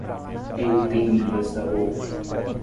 Ele tem milhas da Gol.